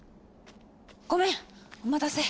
ごめんお待たせ！